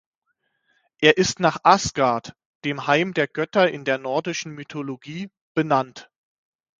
Er ist nach Asgard, dem Heim der Götter in der nordischen Mythologie, benannt.